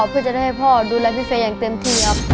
เพื่อจะได้ให้พ่อดูแลพี่เฟย์อย่างเต็มที่ครับ